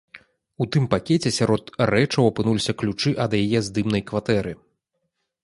У тым пакеце сярод рэчаў апынуліся ключы ад яе здымнай кватэры.